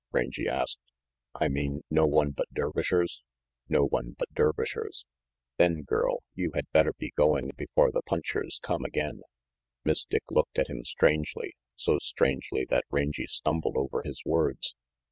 Rangy asked. "I mean no one but Dervishers." "No one but Dervishers." "Then, girl, you had better be going before the punchers come again Miss Dick looked at him strangely, so strangely that Rangy stumbled over his words.